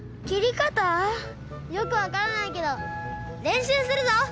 よくわからないけどれんしゅうするぞ！